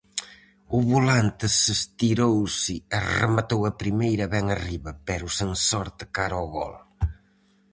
O Volantes estirouse e rematou a primeira ben arriba, pero sen sorte cara ao gol.